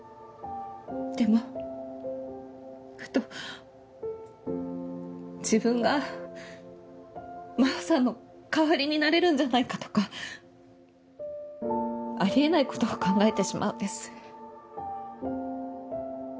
でもふと自分が真帆さんの代わりになれるんじゃないかとかあり得ないことを考えてしまうんです。